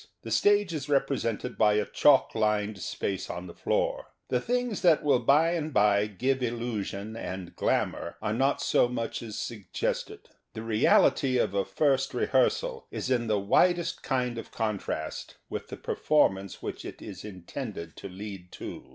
The stage is represented by a chalk lined space on the floor. The things that will by and by give illusion and glamour are not so much as suggested. The reality of a first rehearsal is in the widest kind of contrast with the per formance which it is intended to lead to.